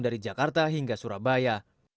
dari jakarta hingga surabaya